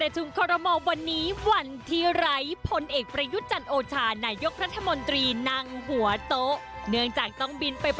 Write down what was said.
ติดตามจากรายงานค่ะ